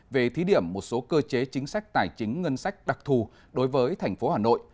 về thí điểm một số cơ chế chính sách tài chính ngân sách đặc thù đối với thành phố hà nội